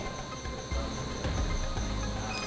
kok tau saya ada disini